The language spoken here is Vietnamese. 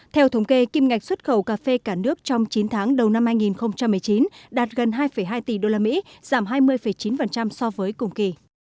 theo thống kê kim ngạch xuất khẩu cà phê cả nước trong chín tháng đầu năm hai nghìn một mươi chín đạt gần hai hai tỷ usd giảm hai mươi chín so với cùng kỳ